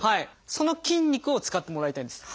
その筋肉を使ってもらいたいんです。